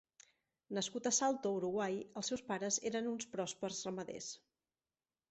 Nascut a Salto, Uruguai, els seus pares eren uns pròspers ramaders.